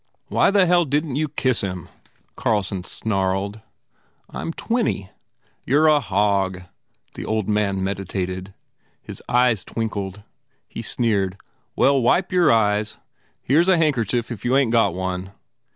"Why the hell didn t you kiss him?" Carlson snarled. "I m twenty" "You re a hog," the old man meditated. His eyes twinkled. He sneered, "Well, wipe your eyes. Here s a handkerchief if you ain t got one."